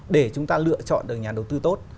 để chúng ta lựa chọn được nhà đầu tư tốt